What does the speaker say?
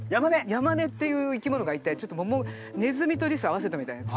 ヤマネっていう生き物がいてちょっとネズミとリスを合わせたみたいなやつ。